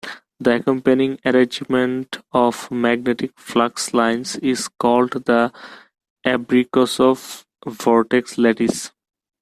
The accompanying arrangement of magnetic flux lines is called the Abrikosov vortex lattice.